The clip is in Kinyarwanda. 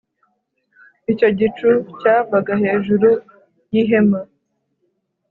icyo gicu cyavaga hejuru y ihema